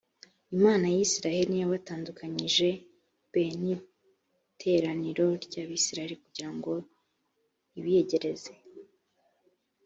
imana ya isirayeli ntiyabatandukanyije b n iteraniro ry abisirayeli kugira ngo ibiyegereze